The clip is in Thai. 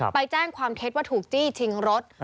ไปแจ้งความเท็จว่าถูกจี้ชิงรถ